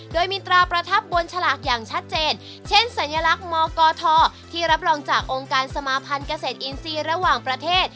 โดยมีตราประทับบนฉลากอย่างชัดเจนเช่นสัญลักษณ์มกทที่รับรองจากองค์การสมาพันธ์เกษตรอินทรีย์ระหว่างประเทศ